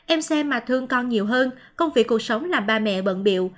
em xem mà thương con nhiều hơn công việc cuộc sống làm ba mẹ bận biệu